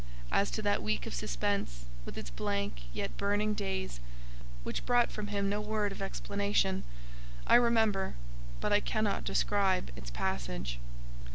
As to that week of suspense, with its blank, yet burning days, which brought from him no word of explanation—I remember, but I cannot describe its passage.